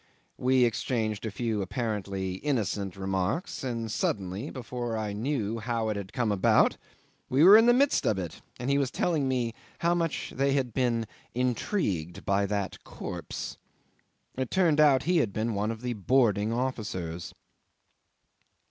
We exchanged a few apparently innocent remarks, and suddenly, before I knew how it had come about, we were in the midst of it, and he was telling me how much they had been "intrigued by that corpse." It turned out he had been one of the boarding officers.